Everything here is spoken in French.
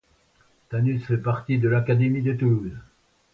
Tanus fait partie de l'académie de Toulouse.